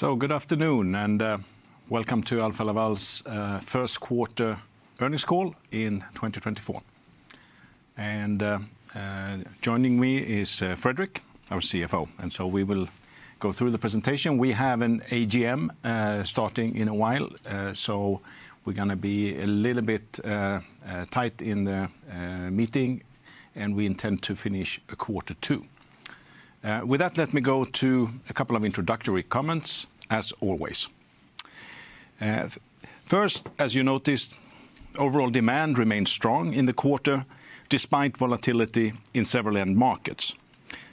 Good afternoon and welcome to Alfa Laval's Q1 earnings call in 2024. Joining me is Fredrik, our CFO. So we will go through the presentation. We have an AGM starting in a while, so we're going to be a little bit tight in the meeting and we intend to finish Q2. With that, let me go to a couple of introductory comments, as always. First, as you noticed, overall demand remained strong in the quarter despite volatility in several end markets.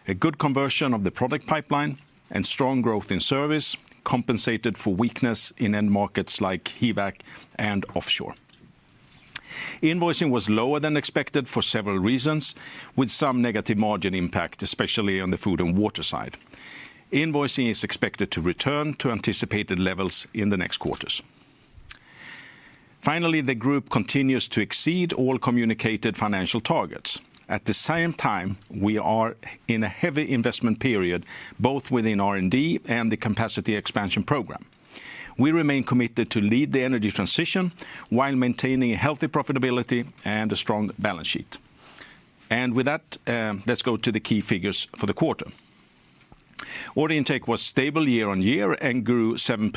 A good conversion of the product pipeline and strong growth in service compensated for weakness in end markets like HVAC and offshore. Invoicing was lower than expected for several reasons, with some negative margin impact, especially on the food and water side. Invoicing is expected to return to anticipated levels in the next quarters. Finally, the group continues to exceed all communicated financial targets. At the same time, we are in a heavy investment period both within R&D and the capacity expansion program. We remain committed to lead the energy transition while maintaining healthy profitability and a strong balance sheet. And with that, let's go to the key figures for the quarter. Order intake was stable year-on-year and grew 8%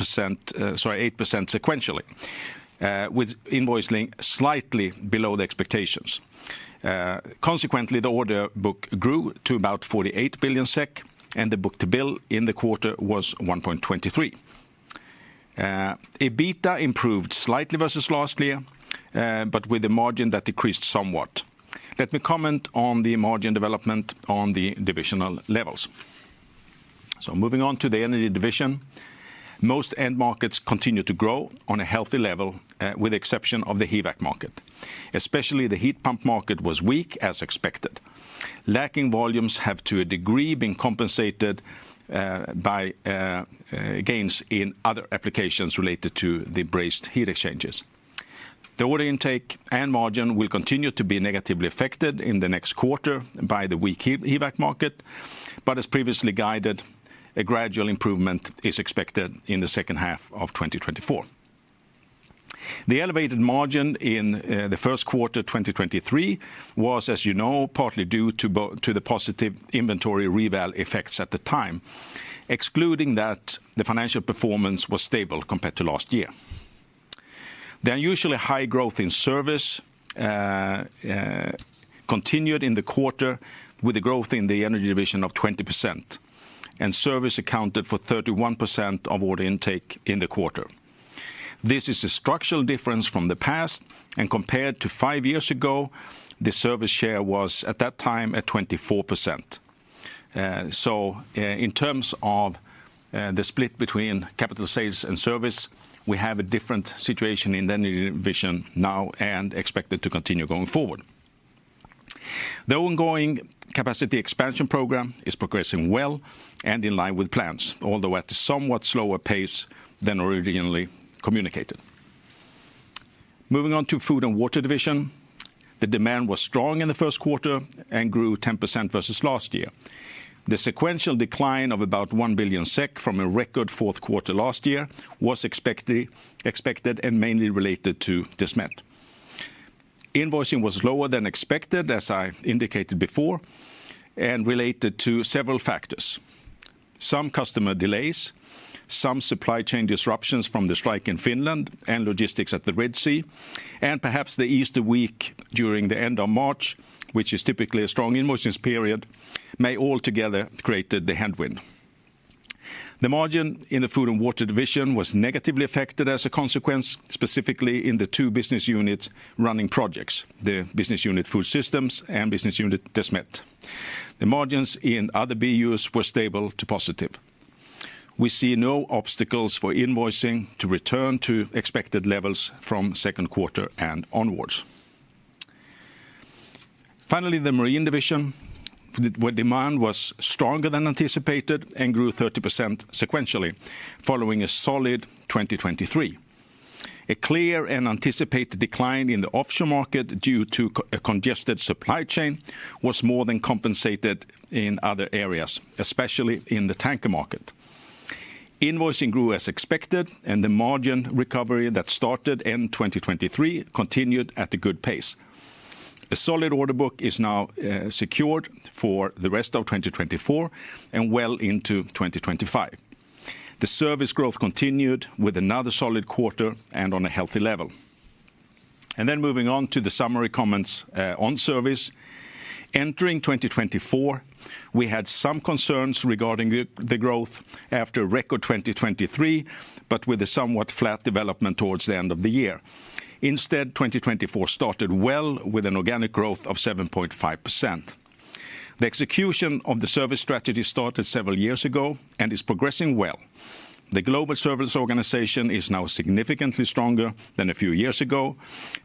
sequentially, with invoicing slightly below the expectations. Consequently, the order book grew to about 48 billion SEK and the book to bill in the quarter was 1.23. EBITDA improved slightly versus last year, but with a margin that decreased somewhat. Let me comment on the margin development on the divisional levels. So moving on to the Energy Division. Most end markets continue to grow on a healthy level, with the exception of the HVAC market. Especially the heat pump market was weak, as expected. Lacking volumes have, to a degree, been compensated by gains in other applications related to the brazed heat exchangers. The order intake and margin will continue to be negatively affected in the next quarter by the weak HVAC market, but as previously guided, a gradual improvement is expected in the second half of 2024. The elevated margin in the Q1 2023 was, as you know, partly due to the positive inventory revalue effects at the time, excluding that the financial performance was stable compared to last year. The unusually high growth in service continued in the quarter, with a growth in the Energy Division of 20%, and service accounted for 31% of order intake in the quarter. This is a structural difference from the past, and compared to five years ago, the service share was at that time at 24%. So in terms of the split between capital sales and service, we have a different situation in the Energy Division now and expected to continue going forward. The ongoing capacity expansion program is progressing well and in line with plans, although at a somewhat slower pace than originally communicated. Moving on to Food and Water Division. The demand was strong in the Q1 and grew 10% versus last year. The sequential decline of about 1 billion SEK from a record Q2 last year was expected and mainly related to Desmet. Invoicing was lower than expected, as I indicated before, and related to several factors. Some customer delays, some supply chain disruptions from the strike in Finland and logistics at the Red Sea, and perhaps the Easter week during the end of March, which is typically a strong invoicing period, may altogether create the headwind. The margin in the Food and Water Division was negatively affected as a consequence, specifically in the two business units running projects: the Business Unit Food Systems and Business Unit Desmet. The margins in other BUs were stable to positive. We see no obstacles for invoicing to return to expected levels from Q2 and onwards. Finally, the Marine Division, where demand was stronger than anticipated and grew 30% sequentially, following a solid 2023. A clear and anticipated decline in the offshore market due to a congested supply chain was more than compensated in other areas, especially in the tanker market. Invoicing grew as expected, and the margin recovery that started end 2023 continued at a good pace. A solid order book is now secured for the rest of 2024 and well into 2025. The service growth continued with another solid quarter and on a healthy level. Moving on to the summary comments on service. Entering 2024, we had some concerns regarding the growth after record 2023, but with a somewhat flat development towards the end of the year. Instead, 2024 started well with an organic growth of 7.5%. The execution of the service strategy started several years ago and is progressing well. The global service organization is now significantly stronger than a few years ago,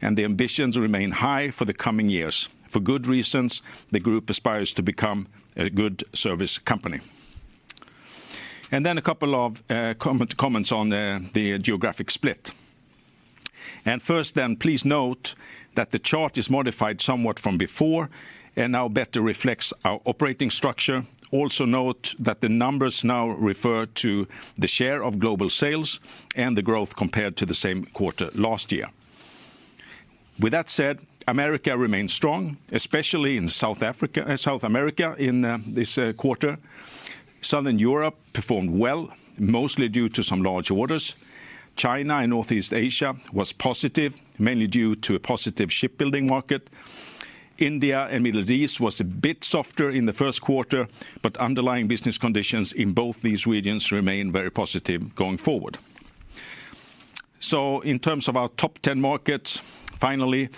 and the ambitions remain high for the coming years for good reasons. The group aspires to become a good service company. A couple of comments on the geographic split. First then, please note that the chart is modified somewhat from before and now better reflects our operating structure. Also note that the numbers now refer to the share of global sales and the growth compared to the same quarter last year. With that said, America remains strong, especially in South America in this quarter. Southern Europe performed well, mostly due to some large orders. China and Northeast Asia was positive, mainly due to a positive shipbuilding market. India and Middle East was a bit softer in the Q1, but underlying business conditions in both these regions remain very positive going forward. So in terms of our top 10 markets, finally,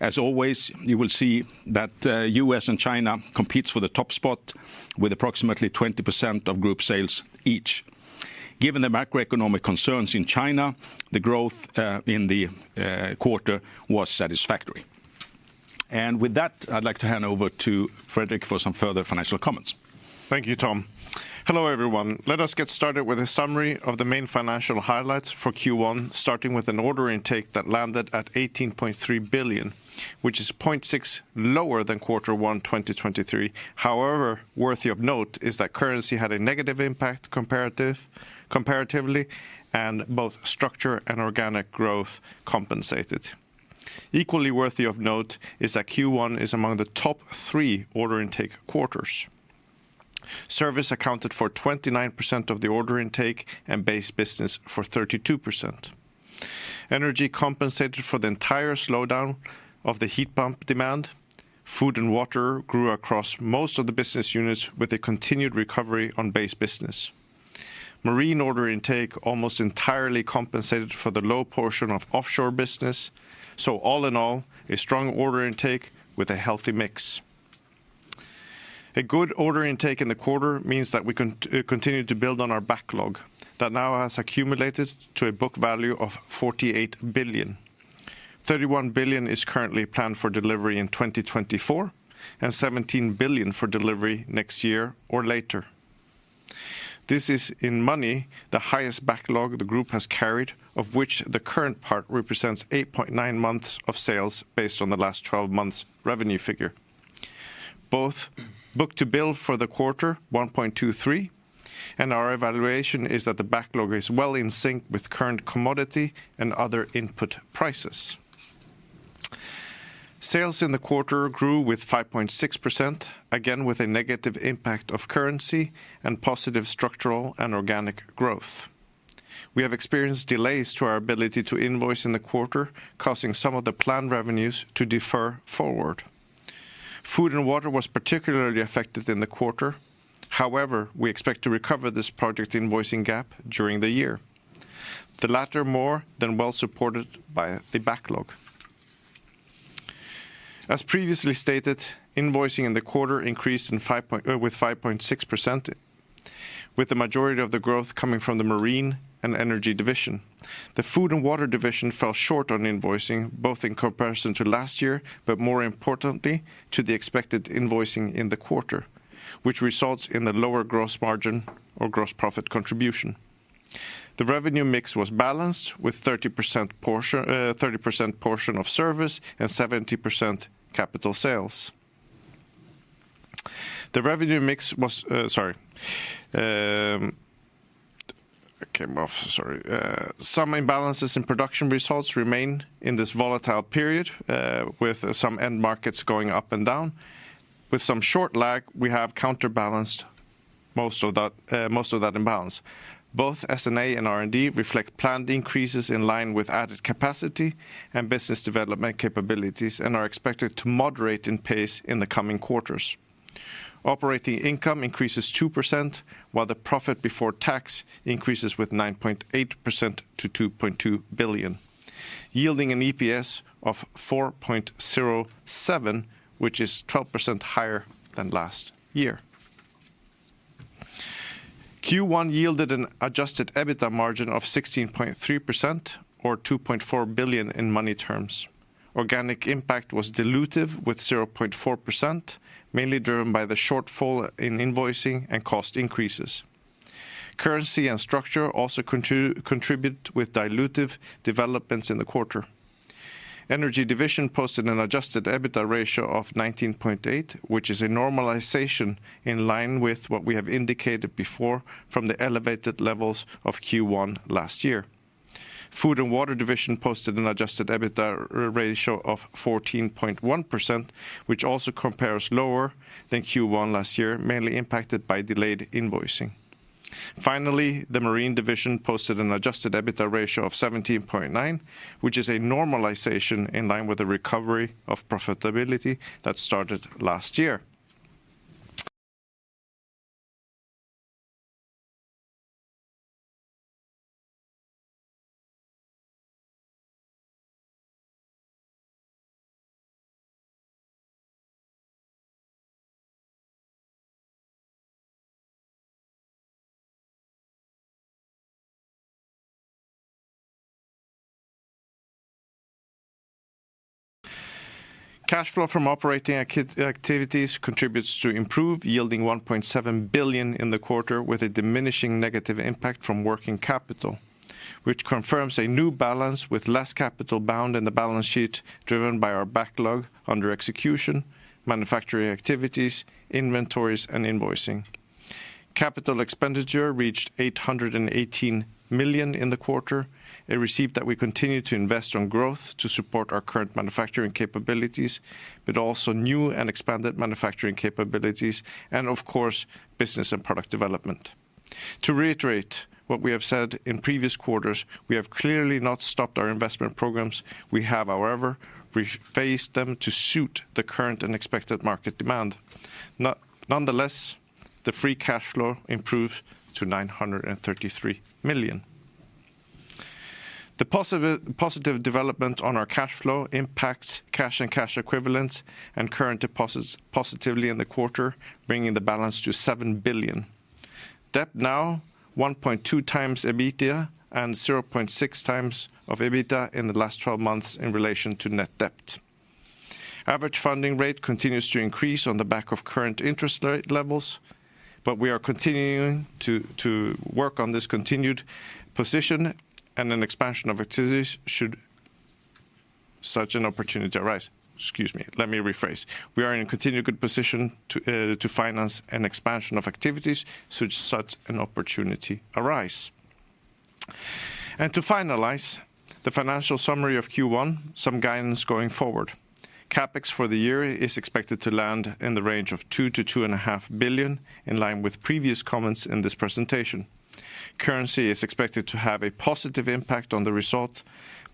as always, you will see that the U.S. and China compete for the top spot with approximately 20% of group sales each. Given the macroeconomic concerns in China, the growth in the quarter was satisfactory. And with that, I'd like to hand over to Fredrik for some further financial comments. Thank you, Tom. Hello everyone. Let us get started with a summary of the main financial highlights for Q1, starting with an order intake that landed at 18.3 billion, which is 0.6% lower than Q1 2023. However, worthy of note is that currency had a negative impact comparatively and both structure and organic growth compensated. Equally worthy of note is that Q1 is among the top three order intake quarters. Service accounted for 29% of the order intake and base business for 32%. Energy compensated for the entire slowdown of the heat pump demand. Food and water grew across most of the business units with a continued recovery on base business. Marine order intake almost entirely compensated for the low portion of offshore business. So all in all, a strong order intake with a healthy mix. A good order intake in the quarter means that we continue to build on our backlog that now has accumulated to a book value of 48 billion. 31 billion is currently planned for delivery in 2024 and 17 billion for delivery next year or later. This is, in money, the highest backlog the group has carried, of which the current part represents 8.9 months of sales based on the last 12 months revenue figure. Both book to bill for the quarter, 1.23, and our evaluation is that the backlog is well in sync with current commodity and other input prices. Sales in the quarter grew with 5.6%, again with a negative impact of currency and positive structural and organic growth. We have experienced delays to our ability to invoice in the quarter, causing some of the planned revenues to defer forward. Food and water was particularly affected in the quarter. However, we expect to recover this project invoicing gap during the year. The latter more than well supported by the backlog. As previously stated, invoicing in the quarter increased with 5.6%, with the majority of the growth coming from the Marine and Energy Division. The Food and Water Division fell short on invoicing, both in comparison to last year, but more importantly, to the expected invoicing in the quarter, which results in a lower gross margin or gross profit contribution. The revenue mix was balanced with a 30% portion of service and 70% capital sales. The revenue mix was sorry. It came off. Sorry. Some imbalances in production results remain in this volatile period, with some end markets going up and down. With some short lag, we have counterbalanced most of that imbalance. Both S&A and R&D reflect planned increases in line with added capacity and business development capabilities and are expected to moderate in pace in the coming quarters. Operating income increases 2%, while the profit before tax increases with 9.8% to 2.2 billion, yielding an EPS of 4.07, which is 12% higher than last year. Q1 yielded an adjusted EBITDA margin of 16.3% or 2.4 billion in money terms. Organic impact was dilutive with 0.4%, mainly driven by the shortfall in invoicing and cost increases. Currency and structure also contribute with dilutive developments in the quarter. Energy Division posted an adjusted EBITDA ratio of 19.8%, which is a normalization in line with what we have indicated before from the elevated levels of Q1 last year. Food and Water Division posted an adjusted EBITDA ratio of 14.1%, which also compares lower than Q1 last year, mainly impacted by delayed invoicing. Finally, the Marine Division posted an adjusted EBITDA ratio of 17.9%, which is a normalization in line with the recovery of profitability that started last year. Cash flow from operating activities contributes to improved yielding 1.7 billion in the quarter, with a diminishing negative impact from working capital, which confirms a new balance with less capital bound in the balance sheet driven by our backlog under execution, manufacturing activities, inventories, and invoicing. Capital expenditure reached 818 million in the quarter, a reflect that we continue to invest on growth to support our current manufacturing capabilities, but also new and expanded manufacturing capabilities and, of course, business and product development. To reiterate what we have said in previous quarters, we have clearly not stopped our investment programs. We have, however, phased them to suit the current and expected market demand. Nonetheless, the free cash flow improves to 933 million. The positive development on our cash flow impacts cash and cash equivalents and current deposits positively in the quarter, bringing the balance to 7 billion. Debt now 1.2x EBITDA and 0.6x EBITDA in the last 12 months in relation to net debt. Average funding rate continues to increase on the back of current interest rate levels, but we are continuing to work on this continued position, and an expansion of activities should such an opportunity arise. Excuse me. Let me rephrase. We are in a continued good position to finance an expansion of activities should such an opportunity arise. To finalize the financial summary of Q1, some guidance going forward. CapEx for the year is expected to land in the range of 2 billion-2.5 billion, in line with previous comments in this presentation. Currency is expected to have a positive impact on the result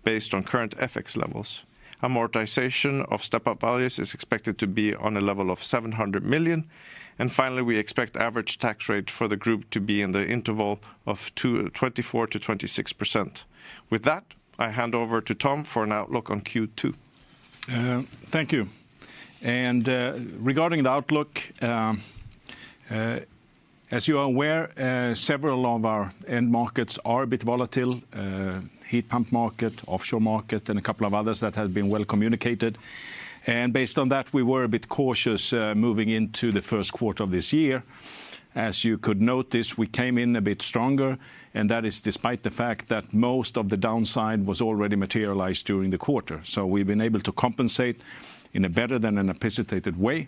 based on current FX levels. Amortization of step-up values is expected to be on a level of 700 million. And finally, we expect average tax rate for the group to be in the interval of 24%-26%. With that, I hand over to Tom for an outlook on Q2. Thank you. Regarding the outlook, as you are aware, several of our end markets are a bit volatile: heat pump market, offshore market, and a couple of others that have been well communicated. Based on that, we were a bit cautious moving into the Q1 of this year. As you could notice, we came in a bit stronger, and that is despite the fact that most of the downside was already materialized during the quarter. We've been able to compensate in a better than anticipated way,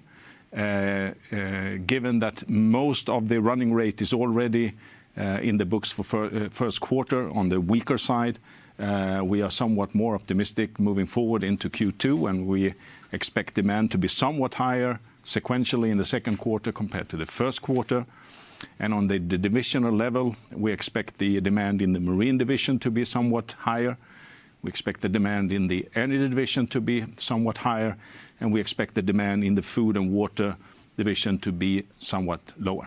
given that most of the run rate is already in the books for Q1 on the weaker side. We are somewhat more optimistic moving forward into Q2, and we expect demand to be somewhat higher sequentially in the Q2 compared to the Q1. On the divisional level, we expect the demand in the Marine Division to be somewhat higher. We expect the demand in the Energy Division to be somewhat higher, and we expect the demand in the Food and Water Division to be somewhat lower.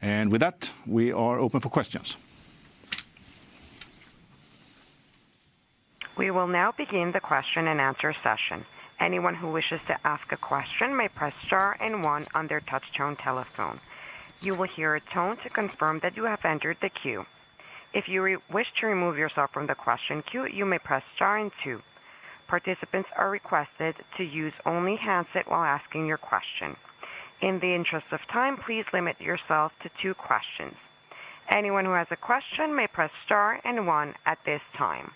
And with that, we are open for questions. We will now begin the Q&A session. Anyone who wishes to ask a question may press star and one on their touch-tone telephone. You will hear a tone to confirm that you have entered the queue. If you wish to remove yourself from the question queue, you may press star and two. Participants are requested to use only handset while asking your question. In the interest of time, please limit yourself to two questions. Anyone who has a question may press star and one at this time.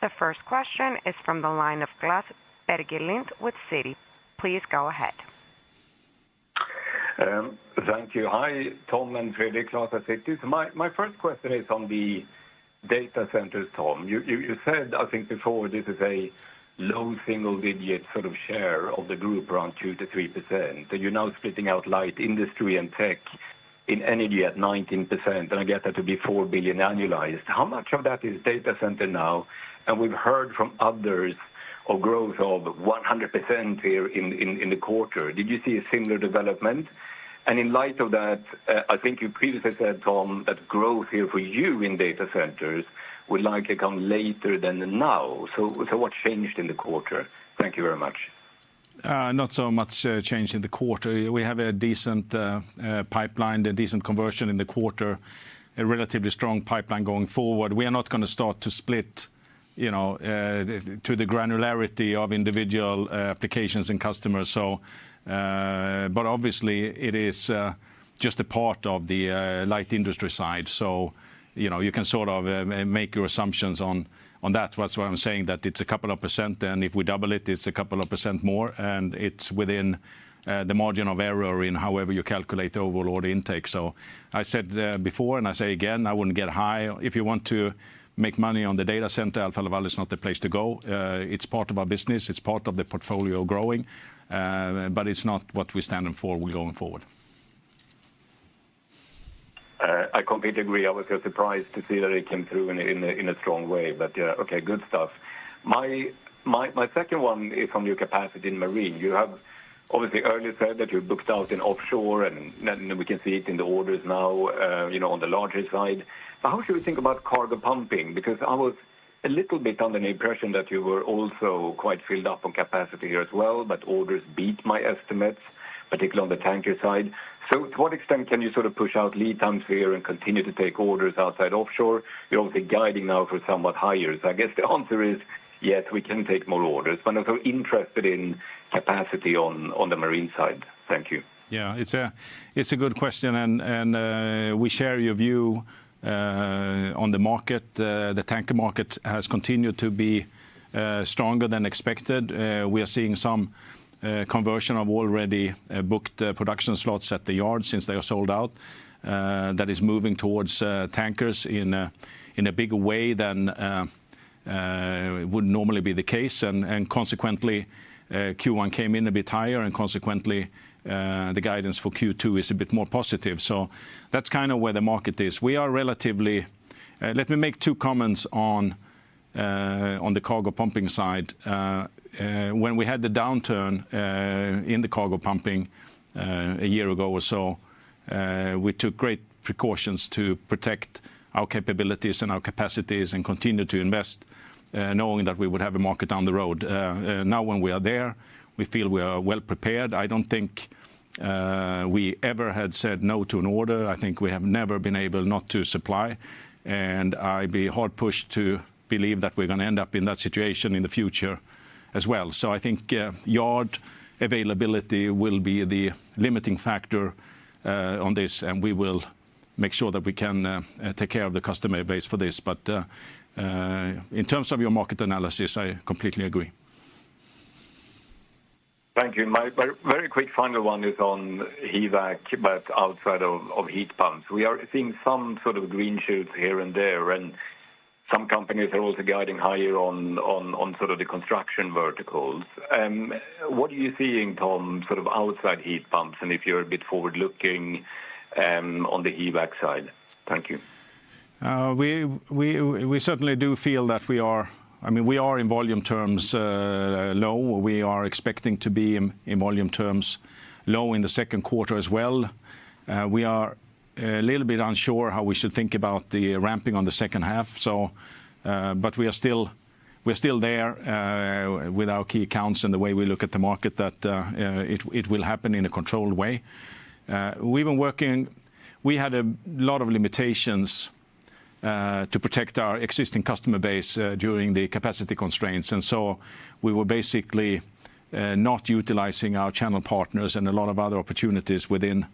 The first question is from the line of Klas Bergelind with Citi. Please go ahead. Thank you. Hi, Tom and Fredrik, Klas Bergelind, Citi. So my first question is on the data centers, Tom. You said, I think before, this is a low single-digit sort of share of the group around 2%-3%. You're now splitting out light industry and tech in energy at 19%, and I get that to be 4 billion annualized. How much of that is data center now? And we've heard from others a growth of 100% here in the quarter. Did you see a similar development? And in light of that, I think you previously said, Tom, that growth here for you in data centers would likely come later than now. So what changed in the quarter? Thank you very much. Not so much change in the quarter. We have a decent pipeline, a decent conversion in the quarter, a relatively strong pipeline going forward. We are not going to start to split to the granularity of individual applications and customers. But obviously, it is just a part of the light industry side. So you can sort of make your assumptions on that. That's why I'm saying that it's a couple of percent, and if we double it, it's a couple of percent more. And it's within the margin of error in however you calculate the overall order intake. So I said before, and I say again, I wouldn't get high. If you want to make money on the data center, Alfa Laval is not the place to go. It's part of our business. It's part of the portfolio growing. But it's not what we stand in for going forward. I completely agree. I was surprised to see that it came through in a strong way. But yeah, okay, good stuff. My second one is on your capacity in marine. You have obviously earlier said that you booked out in offshore, and we can see it in the orders now on the larger side. How should we think about cargo pumping? Because I was a little bit under the impression that you were also quite filled up on capacity here as well, but orders beat my estimates, particularly on the tanker side. So to what extent can you sort of push out lead times here and continue to take orders outside offshore? You're obviously guiding now for somewhat higher. I guess, the answer is yes, we can take more orders. But I'm also interested in capacity on the Marine side. Thank you. Yeah, it's a good question. We share your view on the market. The tanker market has continued to be stronger than expected. We are seeing some conversion of already booked production slots at the yard since they are sold out. That is moving towards tankers in a bigger way than would normally be the case. And consequently, Q1 came in a bit higher, and consequently, the guidance for Q2 is a bit more positive. So that's kind of where the market is. We are relatively, let me make two comments on the cargo pumping side. When we had the downturn in the cargo pumping a year ago or so, we took great precautions to protect our capabilities and our capacities and continue to invest, knowing that we would have a market down the road. Now when we are there, we feel we are well prepared. I don't think we ever had said no to an order. I think we have never been able not to supply. And I'd be hard-pushed to believe that we're going to end up in that situation in the future as well. So I think yard availability will be the limiting factor on this, and we will make sure that we can take care of the customer base for this. But in terms of your market analysis, I completely agree. Thank you. My very quick final one is on HVAC, but outside of heat pumps. We are seeing some sort of green shoots here and there, and some companies are also guiding higher on sort of the construction verticals. What are you seeing, Tom, sort of outside heat pumps, and if you're a bit forward-looking on the HVAC side? Thank you. We certainly do feel that we are, I mean, we are, in volume terms low. We are expecting to be in volume terms low in the Q2 as well. We are a little bit unsure how we should think about the ramping on the second half. But we are still there with our key accounts and the way we look at the market, that it will happen in a controlled way. We've been working, we had a lot of limitations to protect our existing customer base during the capacity constraints. And so we were basically not utilizing our channel partners and a lot of other opportunities within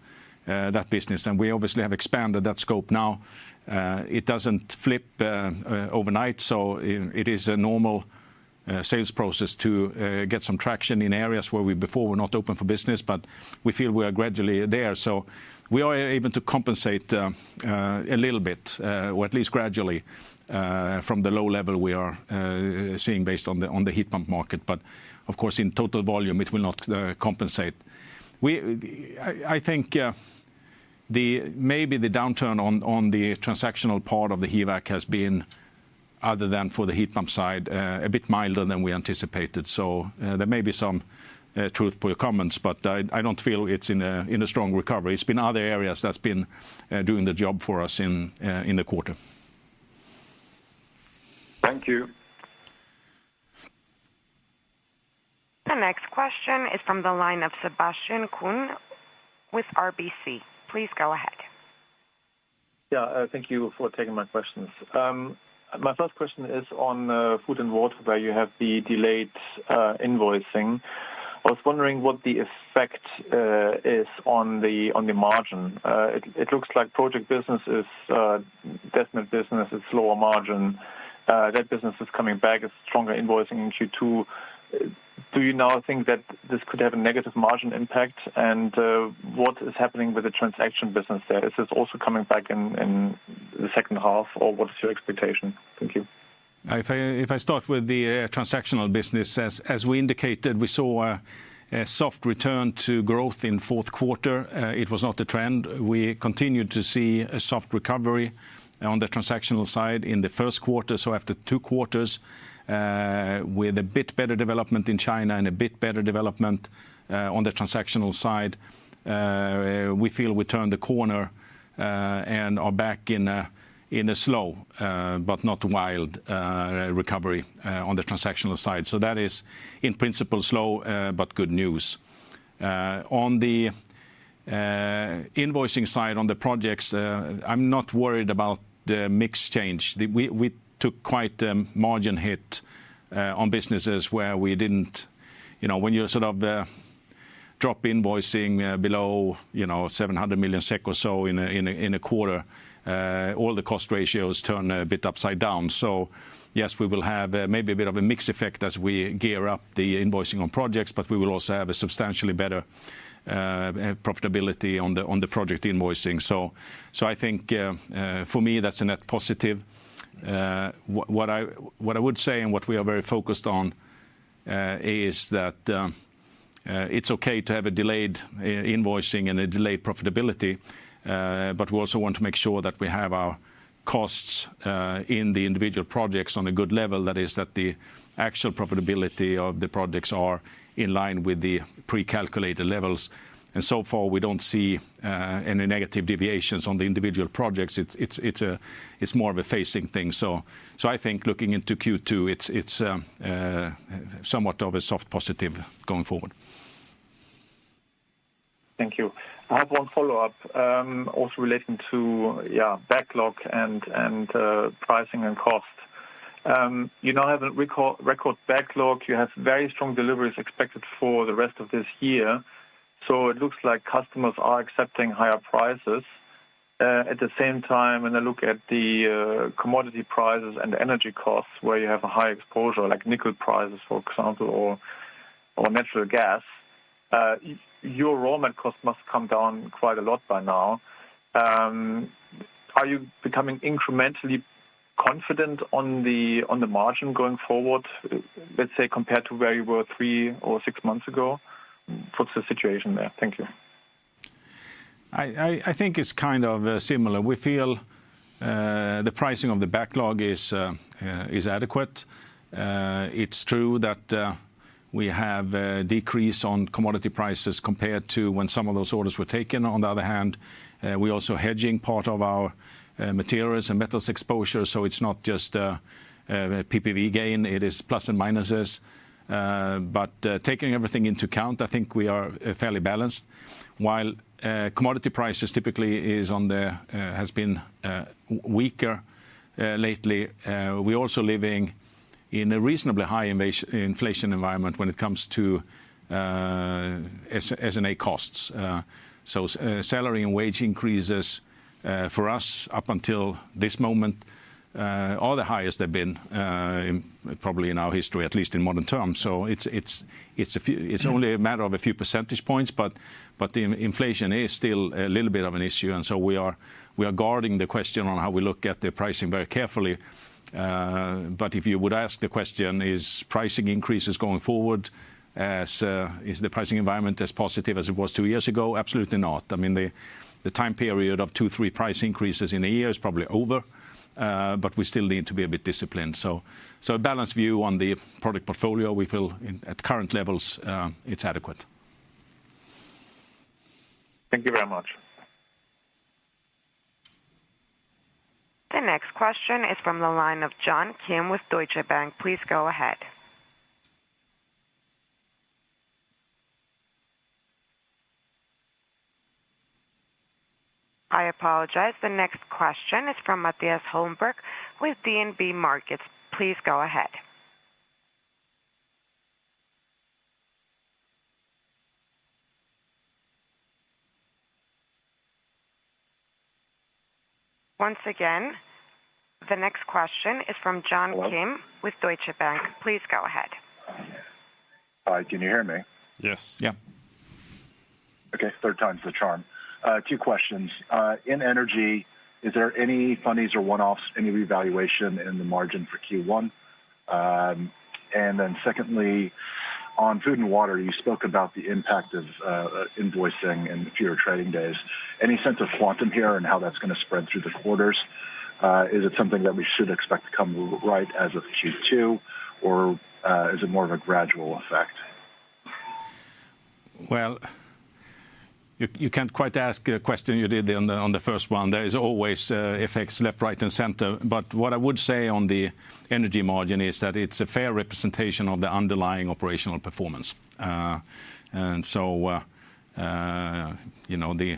that business. And we obviously have expanded that scope now. It doesn't flip overnight, so it is a normal sales process to get some traction in areas where we before were not open for business. But we feel we are gradually there. So we are able to compensate a little bit, or at least gradually, from the low level we are seeing based on the heat pump market. But of course, in total volume, it will not compensate. I think maybe the downturn on the transactional part of the HVAC has been, other than for the heat pump side, a bit milder than we anticipated. So there may be some truth to your comments, but I don't feel it's in a strong recovery. It's been other areas that's been doing the job for us in the quarter. Thank you. The next question is from the line of Sebastian Kuhn with RBC. Please go ahead. Yeah, thank you for taking my questions. My first question is on food and water, where you have the delayed invoicing. I was wondering what the effect is on the margin. It looks like project business is definite business. It's lower margin. That business is coming back, is stronger invoicing in Q2. Do you now think that this could have a negative margin impact? And what is happening with the transaction business there? Is this also coming back in the second half, or what is your expectation? Thank you. If I start with the transactional business, as we indicated, we saw a soft return to growth in Q2. It was not a trend. We continued to see a soft recovery on the transactional side in the Q1. So after two quarters, with a bit better development in China and a bit better development on the transactional side, we feel we turned the corner and are back in a slow, but not wild, recovery on the transactional side. So that is, in principle, slow, but good news. On the invoicing side, on the projects, I'm not worried about the mix change. We took quite a margin hit on businesses where we didn't when you sort of drop invoicing below 700 million SEK or so in a quarter, all the cost ratios turn a bit upside down. So yes, we will have maybe a bit of a mixed effect as we gear up the invoicing on projects, but we will also have a substantially better profitability on the project invoicing. So I think, for me, that's a net positive. What I would say and what we are very focused on is that it's okay to have a delayed invoicing and a delayed profitability. But we also want to make sure that we have our costs in the individual projects on a good level. That is, that the actual profitability of the projects are in line with the precalculated levels. And so far, we don't see any negative deviations on the individual projects. It's more of a phasing thing. So I think looking into Q2, it's somewhat of a soft positive going forward. Thank you. I have one follow-up, also relating to backlog and pricing and cost. You now have a record backlog. You have very strong deliveries expected for the rest of this year. So it looks like customers are accepting higher prices. At the same time, when I look at the commodity prices and energy costs, where you have a high exposure, like nickel prices, for example, or natural gas, your raw material cost must come down quite a lot by now. Are you becoming incrementally confident on the margin going forward, let's say, compared to where you were three or six months ago? What's the situation there? Thank you. I think it's kind of similar. We feel the pricing of the backlog is adequate. It's true that we have a decrease on commodity prices compared to when some of those orders were taken. On the other hand, we're also hedging part of our materials and metals exposure. So it's not just a PPV gain. It is plus and minuses. But taking everything into account, I think we are fairly balanced. While commodity prices typically have been weaker lately, we're also living in a reasonably high inflation environment when it comes to SG&A costs. So salary and wage increases, for us, up until this moment, are the highest they've been, probably in our history, at least in modern terms. So it's only a matter of a few percentage points, but the inflation is still a little bit of an issue. So we are regarding the question on how we look at the pricing very carefully. But if you would ask the question, is pricing increases going forward, is the pricing environment as positive as it was two years ago? Absolutely not. I mean, the time period of two, three price increases in a year is probably over, but we still need to be a bit disciplined. So a balanced view on the product portfolio, we feel at current levels, it's adequate. Thank you very much. The next question is from the line of John Kim with Deutsche Bank. Please go ahead. I apologize. The next question is from Matthias Holmberg with DNB Markets. Please go ahead. Once again, the next question is from John Kim with Deutsche Bank. Please go ahead. Hi, can you hear me? Yes. Yeah. Okay, third time's the charm. Two questions. In energy, is there any funnies or one-offs, any revaluation in the margin for Q1? And then secondly, on food and water, you spoke about the impact of invoicing and fewer trading days. Any sense of quantum here and how that's going to spread through the quarters? Is it something that we should expect to come right as of Q2, or is it more of a gradual effect? Well, you can't quite ask the question you did on the first one. There is always effects left, right, and center. But what I would say on the energy margin is that it's a fair representation of the underlying operational performance. And so it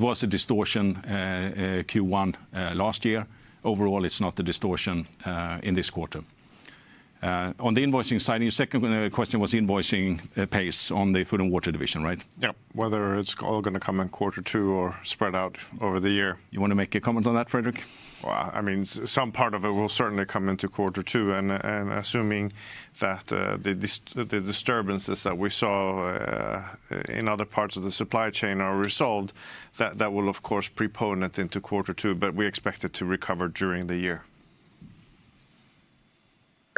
was a distortion Q1 last year. Overall, it's not a distortion in this quarter. On the invoicing side, your second question was invoicing pace on the food and water division, right? Yeah, whether it's all going to come in quarter two or spread out over the year. You want to make a comment on that, Fredrik? Well, I mean, some part of it will certainly come into quarter two. And assuming that the disturbances that we saw in other parts of the supply chain are resolved, that will, of course, prepone it into quarter two. But we expect it to recover during the year.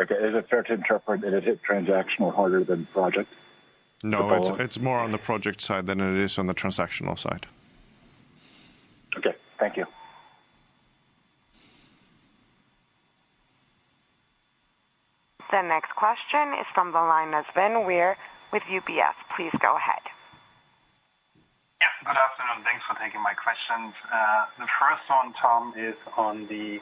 Okay. Is it fair to interpret that it hit transactional harder than project? No, it's more on the project side than it is on the transactional side. Okay. Thank you. The next question is from the line of Sven Weir with UBS. Please go ahead. Yeah, good afternoon. Thanks for taking my questions. The first one, Tom, is on the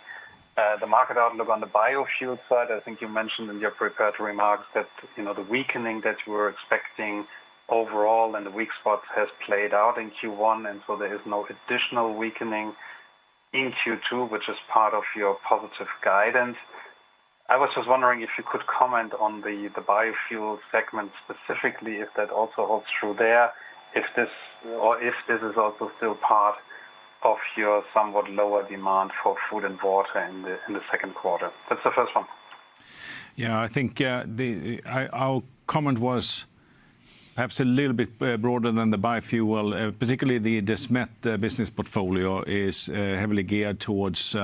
market outlook on the biofuel side. I think you mentioned in your preparatory remarks that the weakening that you were expecting overall and the weak spots has played out in Q1. And so there is no additional weakening in Q2, which is part of your positive guidance. I was just wondering if you could comment on the biofuel segment specifically, if that also holds true there, or if this is also still part of your somewhat lower demand for food and water in the Q2. That's the first one. Yeah, I think our comment was perhaps a little bit broader than the biofuel, particularly the Desmet business portfolio is heavily geared towards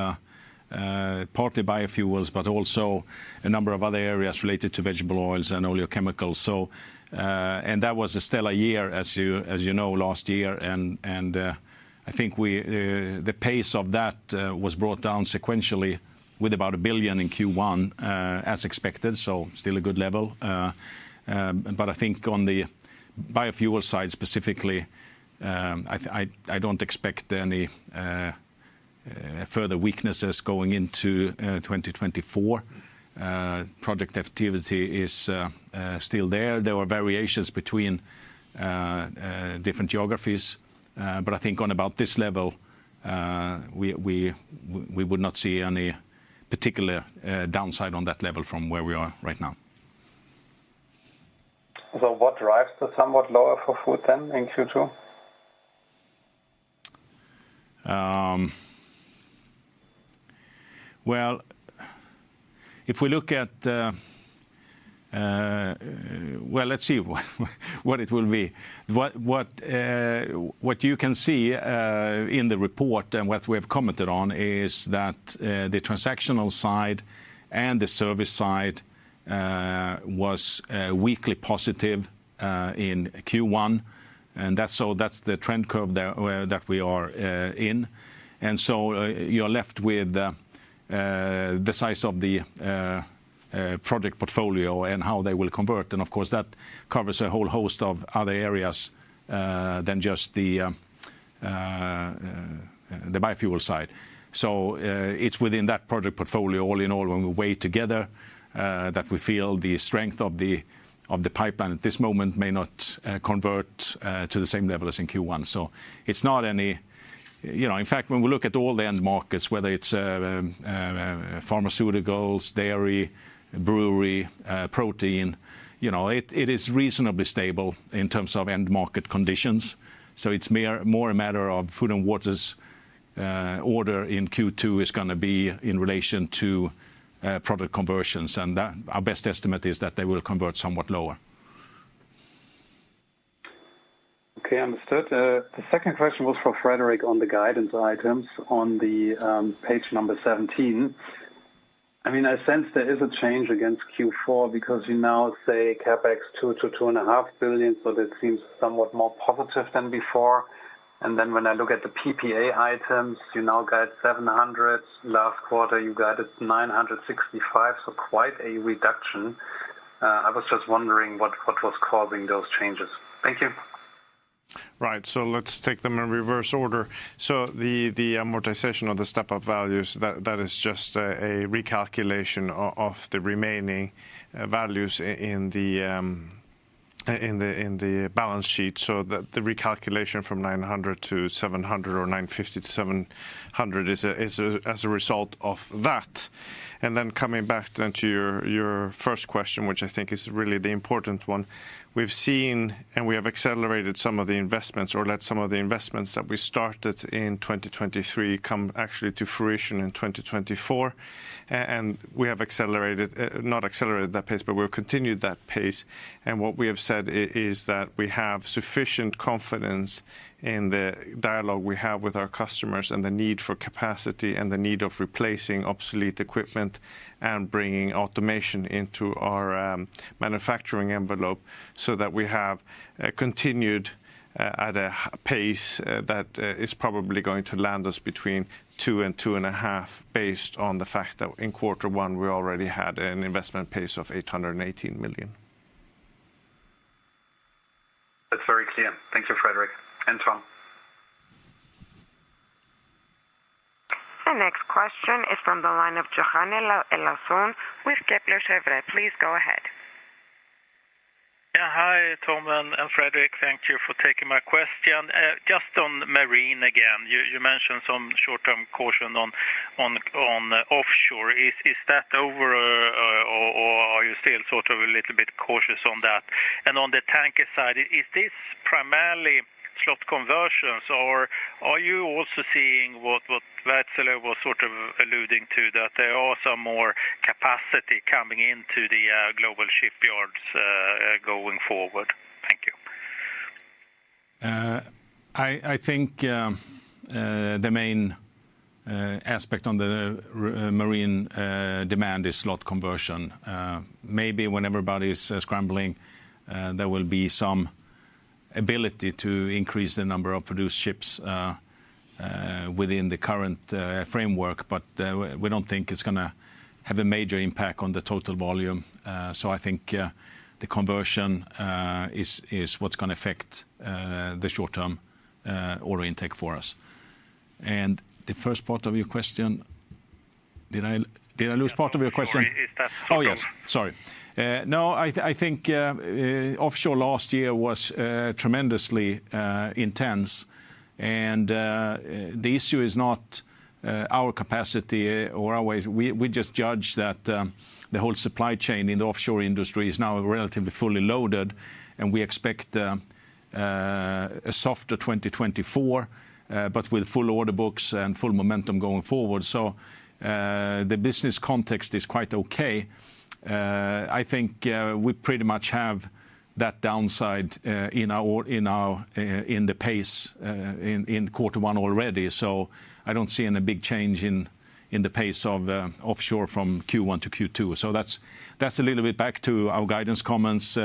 partly biofuels, but also a number of other areas related to vegetable oils and oleochemicals. That was a stellar year, as you know, last year. I think the pace of that was brought down sequentially with about 1 billion in Q1, as expected. Still a good level. But I think on the biofuel side specifically, I don't expect any further weaknesses going into 2024. Project activity is still there. There are variations between different geographies. But I think on about this level, we would not see any particular downside on that level from where we are right now. What drives the somewhat lower for food then in Q2? Well, if we look at, well, let's see what it will be. What you can see in the report and what we have commented on is that the transactional side and the service side was weakly positive in Q1. And so that's the trend curve that we are in. And so you're left with the size of the project portfolio and how they will convert. And of course, that covers a whole host of other areas than just the biofuel side. So it's within that project portfolio, all in all, when we weigh together that we feel the strength of the pipeline at this moment may not convert to the same level as in Q1. So it's not any, in fact, when we look at all the end markets, whether it's pharmaceuticals, dairy, brewery, protein, it is reasonably stable in terms of end market conditions. It's more a matter of food and water's order in Q2 is going to be in relation to product conversions. Our best estimate is that they will convert somewhat lower. Okay, understood. The second question was for Fredrik on the guidance items on page 17. I mean, I sense there is a change against Q4 because you now say CapEx 2-2.5 billion. So that seems somewhat more positive than before. And then when I look at the PPA items, you now guide 700 million. Last quarter, you guided 965 million. So quite a reduction. I was just wondering what was causing those changes. Thank you. Right. So let's take them in reverse order. So the amortization of the step-up values, that is just a recalculation of the remaining values in the balance sheet. So the recalculation from 900 million-700 million or 950 million-700 million is as a result of that. And then coming back then to your first question, which I think is really the important one, we've seen and we have accelerated some of the investments or let some of the investments that we started in 2023 come actually to fruition in 2024. And we have not accelerated that pace, but we've continued that pace. What we have said is that we have sufficient confidence in the dialogue we have with our customers and the need for capacity and the need of replacing obsolete equipment and bringing automation into our manufacturing envelope so that we have continued at a pace that is probably going to land us between 2 billion and 2.5 billion based on the fact that in Q1, we already had an investment pace of 818 million. That's very clear. Thank you, Fredrik. And Tom. The next question is from the line of Johan Eliason with Kepler Cheuvreux. Please go ahead. Yeah, hi, Tom and Fredrik. Thank you for taking my question. Just on marine again, you mentioned some short-term caution on offshore. Is that over, or are you still sort of a little bit cautious on that? And on the tanker side, is this primarily slot conversions, or are you also seeing what Wärtsilä was sort of alluding to, that there are some more capacity coming into the global shipyards going forward? Thank you. I think the main aspect on the marine demand is slot conversion. Maybe when everybody is scrambling, there will be some ability to increase the number of produced ships within the current framework. But we don't think it's going to have a major impact on the total volume. So I think the conversion is what's going to affect the short-term order intake for us. And the first part of your question, did I lose part of your question? Sorry, is that? Oh, yes. Sorry. No, I think offshore last year was tremendously intense. And the issue is not our capacity or our ways. We just judge that the whole supply chain in the offshore industry is now relatively fully loaded. And we expect a softer 2024, but with full order books and full momentum going forward. So the business context is quite okay. I think we pretty much have that downside in the pace in Q1 already. So I don't see any big change in the pace of offshore from Q1 to Q2. So that's a little bit back to our guidance comments.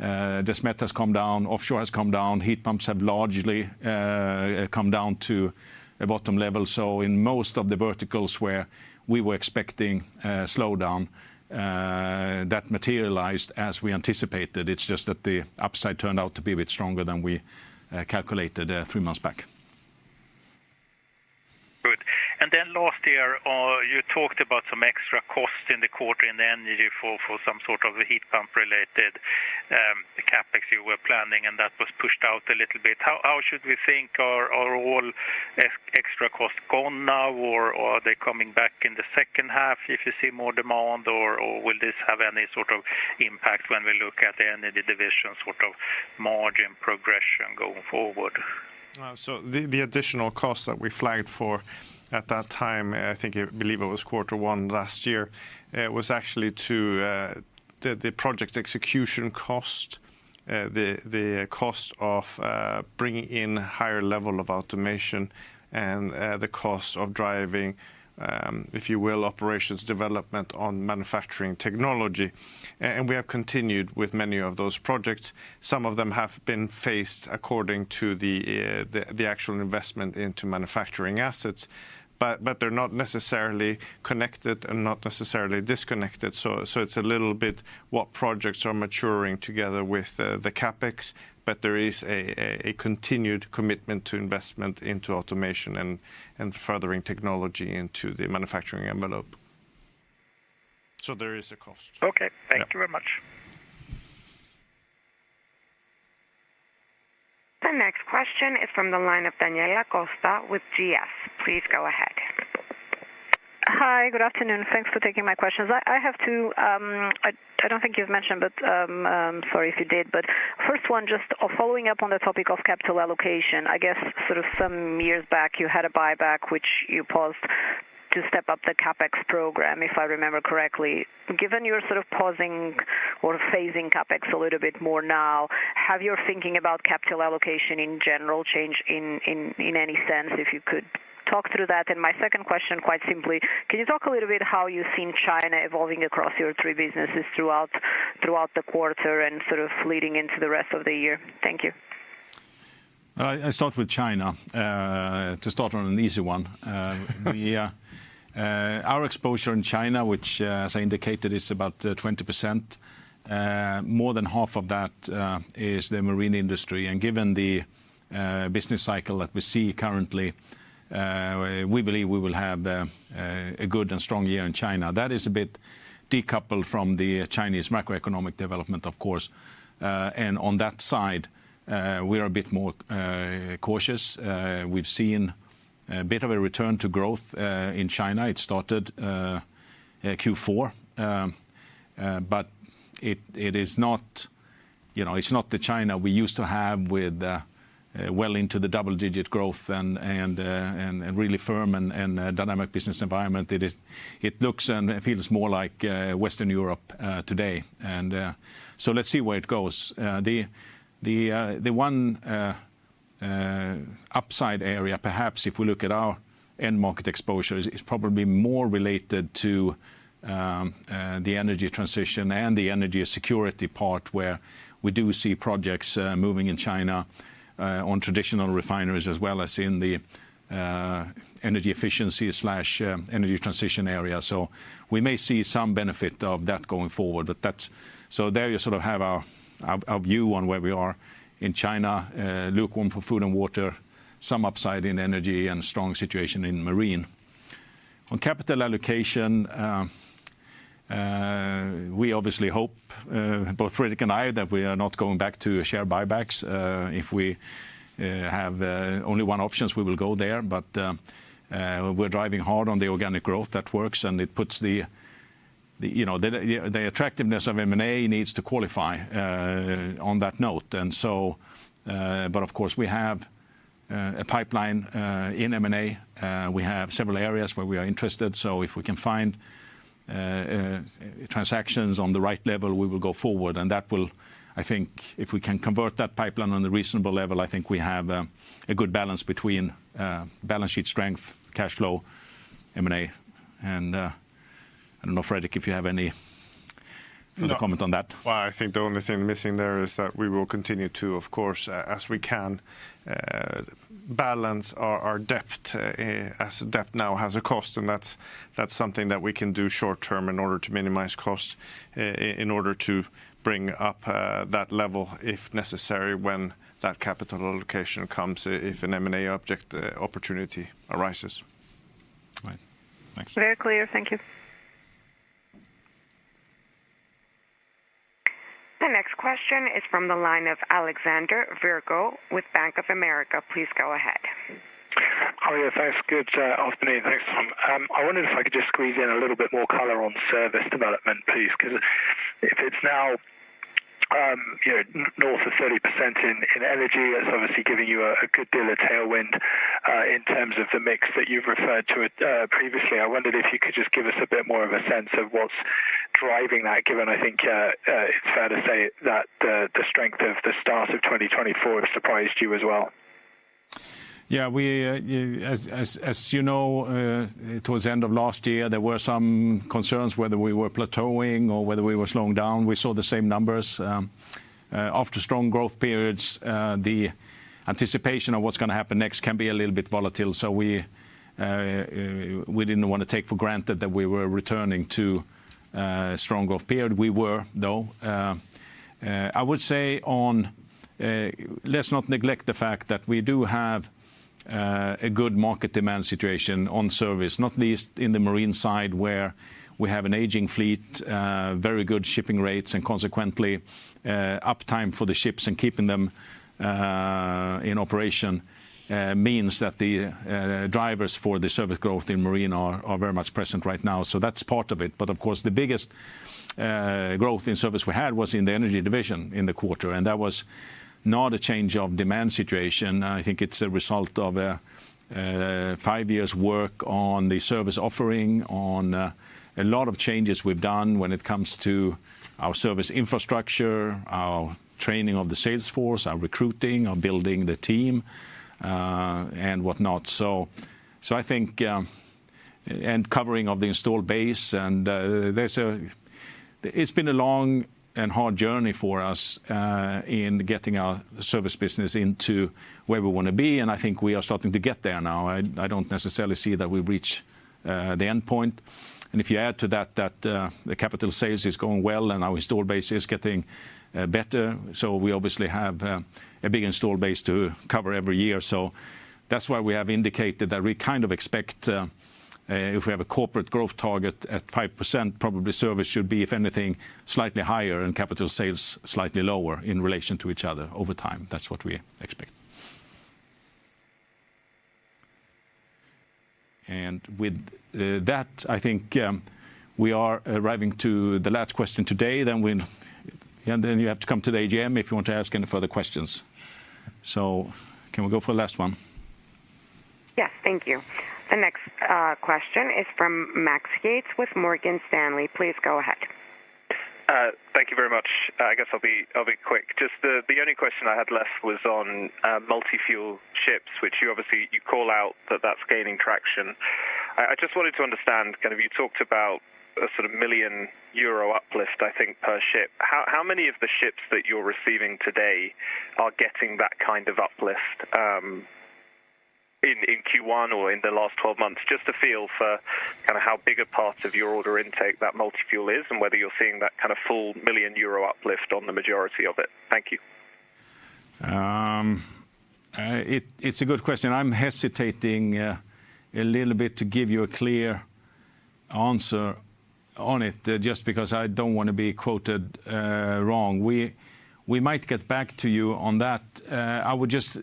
Desmet has come down. Offshore has come down. Heat pumps have largely come down to a bottom level. So in most of the verticals where we were expecting a slowdown, that materialized as we anticipated. It's just that the upside turned out to be a bit stronger than we calculated three months back. Good. And then last year, you talked about some extra costs in the quarter in the energy for some sort of heat pump-related CapEx you were planning, and that was pushed out a little bit. How should we think? Are all extra costs gone now, or are they coming back in the second half if you see more demand, or will this have any sort of impact when we look at the energy division sort of margin progression going forward? Well, so the additional cost that we flagged for at that time, I believe it was Q1 last year, was actually the project execution cost, the cost of bringing in higher level of automation, and the cost of driving, if you will, operations development on manufacturing technology. And we have continued with many of those projects. Some of them have been phased according to the actual investment into manufacturing assets. But they're not necessarily connected and not necessarily disconnected. So it's a little bit what projects are maturing together with the CapEx. But there is a continued commitment to investment into automation and furthering technology into the manufacturing envelope. So there is a cost. Okay. Thank you very much. The next question is from the line of Daniela Costa with GS. Please go ahead. Hi, good afternoon. Thanks for taking my questions. I have two, I don't think you've mentioned, but sorry if you did. But first one, just following up on the topic of capital allocation. I guess sort of some years back, you had a buyback, which you paused to step up the CapEx program, if I remember correctly. Given you're sort of pausing or phasing CapEx a little bit more now, have your thinking about capital allocation in general changed in any sense, if you could talk through that? And my second question, quite simply, can you talk a little bit how you've seen China evolving across your three businesses throughout the quarter and sort of leading into the rest of the year? Thank you. Well, I start with China to start on an easy one. Our exposure in China, which, as I indicated, is about 20%, more than half of that is the marine industry. And given the business cycle that we see currently, we believe we will have a good and strong year in China. That is a bit decoupled from the Chinese macroeconomic development, of course. And on that side, we are a bit more cautious. We've seen a bit of a return to growth in China. It started Q4. But it is not the China we used to have with well into the double-digit growth and really firm and dynamic business environment. It looks and feels more like Western Europe today. And so let's see where it goes. The one upside area, perhaps, if we look at our end market exposure, is probably more related to the energy transition and the energy security part where we do see projects moving in China on traditional refineries as well as in the energy efficiency/energy transition area. So we may see some benefit of that going forward. So there you sort of have our view on where we are in China, lukewarm for Food and Water, some upside in Energy, and strong situation in Marine. On capital allocation, we obviously hope, both Fredrik and I, that we are not going back to share buybacks. If we have only one option, we will go there. But we're driving hard on the organic growth. That works. And it puts the attractiveness of M&A needs to qualify on that note. But of course, we have a pipeline in M&A. We have several areas where we are interested. So if we can find transactions on the right level, we will go forward. And that will, I think, if we can convert that pipeline on a reasonable level, I think we have a good balance between balance-sheet strength, cash flow, M&A. And I don't know, Fredrik, if you have any further comment on that. Well, I think the only thing missing there is that we will continue to, of course, as we can, balance our debt as debt now has a cost. And that's something that we can do short-term in order to minimize cost, in order to bring up that level if necessary when that capital allocation comes, if an M&A opportunity arises. Right. Thanks. Very clear. Thank you. The next question is from the line of Alexander Virgo with Bank of America. Please go ahead. Oh, yeah. Thanks. Good afternoon. Thanks, Tom. I wondered if I could just squeeze in a little bit more color on service development, please. Because if it's now north of 30% in energy, that's obviously giving you a good deal of tailwind in terms of the mix that you've referred to previously. I wondered if you could just give us a bit more of a sense of what's driving that, given I think it's fair to say that the strength of the start of 2024 has surprised you as well. Yeah. As you know, towards the end of last year, there were some concerns whether we were plateauing or whether we were slowing down. We saw the same numbers. After strong growth periods, the anticipation of what's going to happen next can be a little bit volatile. So we didn't want to take for granted that we were returning to a strong growth period. We were, though. I would say on let's not neglect the fact that we do have a good market demand situation on service, not least in the marine side where we have an aging fleet, very good shipping rates, and consequently, uptime for the ships and keeping them in operation means that the drivers for the service growth in marine are very much present right now. So that's part of it. But of course, the biggest growth in service we had was in the Energy Division in the quarter. That was not a change of demand situation. I think it's a result of five years' work on the service offering, on a lot of changes we've done when it comes to our service infrastructure, our training of the sales force, our recruiting, our building the team, and whatnot. Covering of the installed base. It's been a long and hard journey for us in getting our service business into where we want to be. I think we are starting to get there now. I don't necessarily see that we've reached the endpoint. If you add to that that the capital sales is going well and our installed base is getting better, so we obviously have a big installed base to cover every year. So that's why we have indicated that we kind of expect if we have a corporate growth target at 5%, probably service should be, if anything, slightly higher and capital sales slightly lower in relation to each other over time. That's what we expect. And with that, I think we are arriving to the last question today. Then you have to come to the AGM if you want to ask any further questions. So can we go for the last one? Yes. Thank you. The next question is from Max Yates with Morgan Stanley. Please go ahead. Thank you very much. I guess I'll be quick. Just the only question I had left was on multi-fuel ships, which you call out that that's gaining traction. I just wanted to understand. Kind of you talked about a sort of 1 million euro uplift, I think, per ship. How many of the ships that you're receiving today are getting that kind of uplift in Q1 or in the last 12 months, just a feel for kind of how big a part of your order intake that multi-fuel is and whether you're seeing that kind of full 1 million euro uplift on the majority of it? Thank you. It's a good question. I'm hesitating a little bit to give you a clear answer on it just because I don't want to be quoted wrong. We might get back to you on that. I would just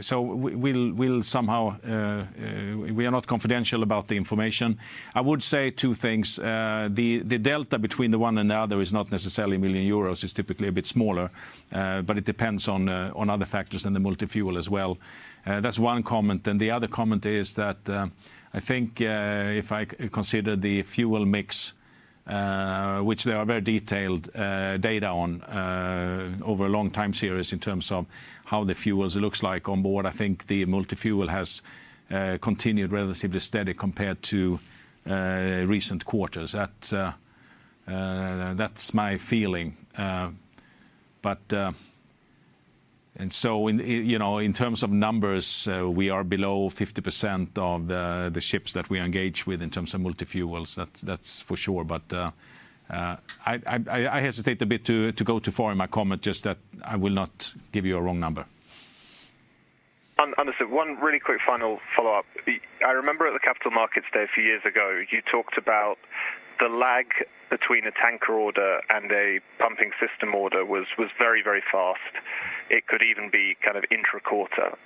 so we'll somehow we are not confidential about the information. I would say two things. The delta between the one and the other is not necessarily 1 million euros. It's typically a bit smaller. But it depends on other factors than the multi-fuel as well. That's one comment. And the other comment is that I think if I consider the fuel mix, which there are very detailed data on over a long time series in terms of how the fuels look like on board, I think the multi-fuel has continued relatively steady compared to recent quarters. That's my feeling. And so in terms of numbers, we are below 50% of the ships that we engage with in terms of multi-fuels. That's for sure. But I hesitate a bit to go too far in my comment, just that I will not give you a wrong number. Understood. One really quick final follow-up. I remember at the Capital Markets Day a few years ago, you talked about the lag between a tanker order and a pumping system order was very, very fast. It could even be kind of intraquarter.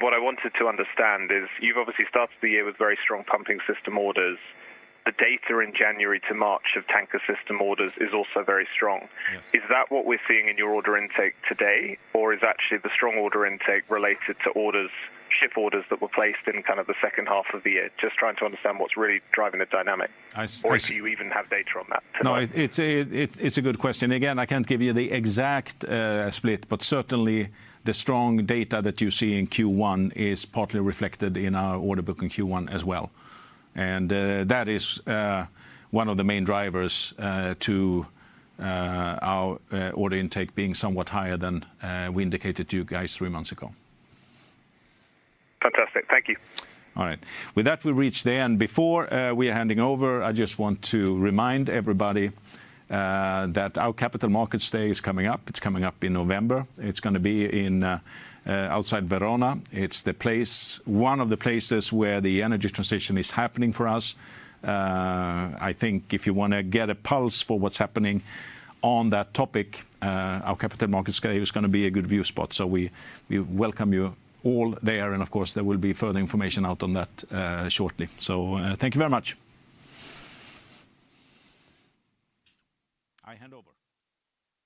What I wanted to understand is you've obviously started the year with very strong pumping system orders. The data in January to March of tanker system orders is also very strong. Is that what we're seeing in your order intake today, or is actually the strong order intake related to ship orders that were placed in kind of the second half of the year? Just trying to understand what's really driving the dynamic. Or do you even have data on that tonight? No, it's a good question. Again, I can't give you the exact split. But certainly, the strong data that you see in Q1 is partly reflected in our order book in Q1 as well. And that is one of the main drivers to our order intake being somewhat higher than we indicated to you guys three months ago. Fantastic. Thank you. All right. With that, we reach the end. Before we are handing over, I just want to remind everybody that our Capital Markets Day is coming up. It's coming up in November. It's going to be outside Verona. It's one of the places where the energy transition is happening for us. I think if you want to get a pulse for what's happening on that topic, our Capital Markets Day is going to be a good viewspot. So we welcome you all there. And of course, there will be further information out on that shortly. So thank you very much. I hand over.